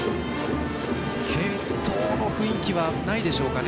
継投の雰囲気はないでしょうか。